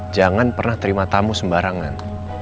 jangan pernah terima tamu sembarangan